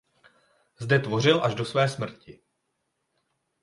Zde tvořil až do své smrti.